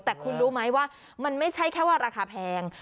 แต่คุณรู้ไหมว่ามันไม่ใช่แค่ว่าราคาแพง